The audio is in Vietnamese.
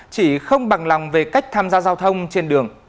chỉ không bằng lòng về cách tham gia giao thông trên đường